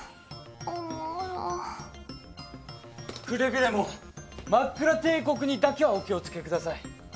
くれぐれもマックラ帝国にだけはお気をつけください。